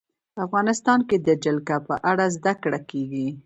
افغانستان کې د جلګه په اړه زده کړه کېږي.